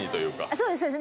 そうですそうです。